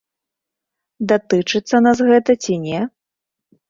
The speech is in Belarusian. Датычыцца нас гэта ці не?